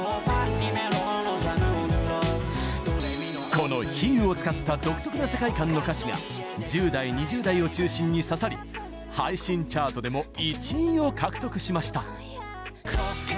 この比喩を使った独特な世界観の歌詞が１０代、２０代を中心に刺さり配信チャートでも１位を獲得しました！